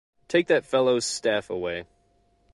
Take that fellow’s staff away.